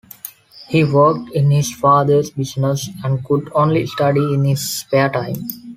He worked in his father's business and could only study in his spare time.